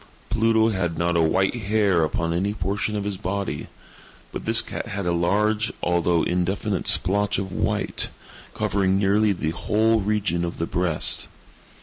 Pluto had not a white hair upon any portion of his body; but this cat had a large, although indefinite splotch of white, covering nearly the whole region of the breast.